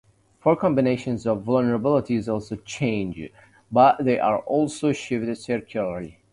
Four combinations of vulnerabilities also change, but they are also shifted circularly.